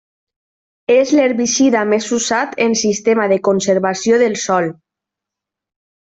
És l'herbicida més usat en sistema de conservació del sòl.